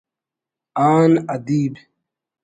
آن ادیب